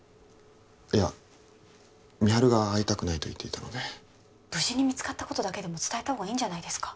いや美晴が会いたくないと言っていたので無事に見つかったことだけでも伝えたほうがいいんじゃないですか？